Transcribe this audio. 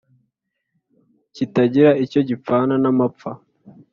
Kitagira icyo gipfana n'amapfa